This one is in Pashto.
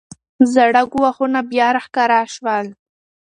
زاړه ګواښونه بیا راښکاره شول.